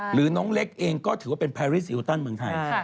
น้องเล็กเองก็ถือว่าเป็นแพรรี่โอตันเมืองไทย